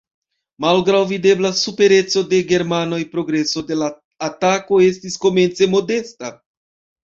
Malgraŭ videbla supereco de germanoj progreso de la atako estis komence modesta.